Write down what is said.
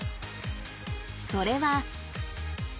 それは。